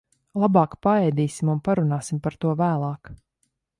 Labāk paēdīsim un parunāsim par to vēlāk.